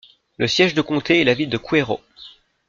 Le siège de comté est la ville de Cuero.